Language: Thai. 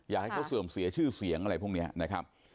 อยากให้เขาเสื่อมเสียชื่อเสียงอะไรพวกนี้นะครับ